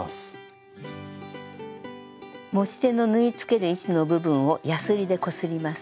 持ち手の縫いつける位置の部分をやすりでこすります。